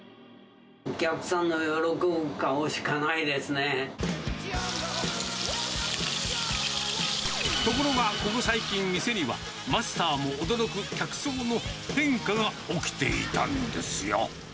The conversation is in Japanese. お客さんの喜ぶ顔しかないでところが、ここ最近、店にはマスターも驚く客層の変化が起きていたんですよ。